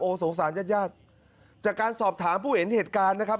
สงสารญาติญาติจากการสอบถามผู้เห็นเหตุการณ์นะครับ